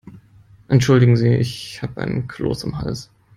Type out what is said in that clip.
Entschuldigen Sie, ich habe einen Kloß im Hals.